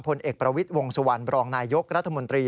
ผลเอกประวิทย์วงสุวรรณบรองนายยกรัฐมนตรี